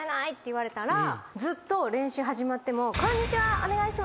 言われたらずっと練習始まっても。